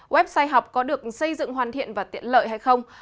website học có được xây dựng hoàn thiện và tiện lợi hay không